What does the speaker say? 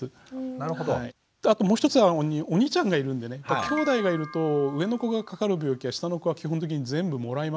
あともう一つはお兄ちゃんがいるんでねきょうだいがいると上の子がかかる病気は下の子は基本的に全部もらいますから。